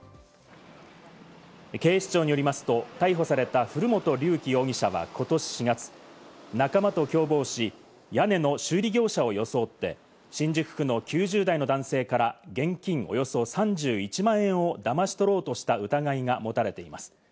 警視庁によりますと、逮捕された古本竜希容疑者はことし４月、仲間と共謀し、屋根の修理業者を装って、新宿区の９０代の男性から現金およそ３１万円をだまし取ろうとした疑いが持たれています。